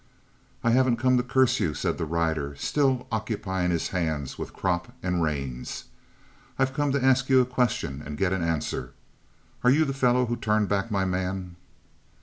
"I haven't come to curse you," said the rider, still occupying his hands with crop and reins. "I've come to ask you a question and get an answer. Are you the fellow who turned back my man?"